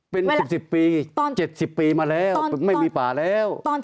เป็นสิบสิบปีเจ็ดสิบปีมาแล้วไม่มีป่าแล้ว